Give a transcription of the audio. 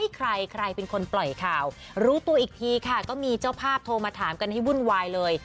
ใครใครเป็นคนปล่อยข่าวรู้ตัวอีกทีค่ะก็มีเจ้าภาพโทรมาถามกันให้วุ่นวายเลย